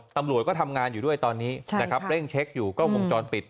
ตำรวจก็ทำงานอยู่ด้วยตอนนี้นะครับเร่งเช็คอยู่กล้องวงจรปิด